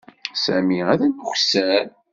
Sami atan ukessar.